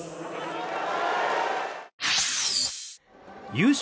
優勝